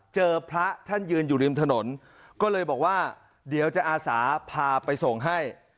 พระท่านยืนอยู่ริมถนนก็เลยบอกว่าเดี๋ยวจะอาสาพาไปส่งให้